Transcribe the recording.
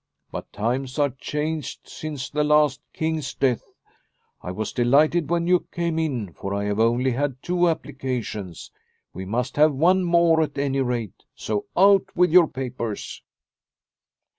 But times are changed since the last King's death. I was delighted when you came in, for I have only had two applications. We must have one more at any rate, so out with your papers."